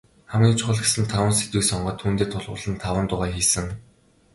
Хамгийн чухал гэсэн таван сэдвийг сонгоод, түүндээ тулгуурлан таван дуугаа хийсэн.